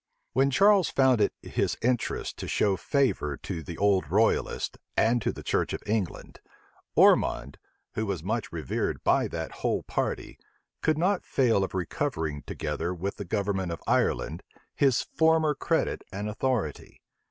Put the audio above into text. When Charles found it his interest to show favor to the old royalists, and to the church of England, Ormond, who was much revered by that whole party, could not fail of recovering, together with the government of Ireland, his former credit and authority.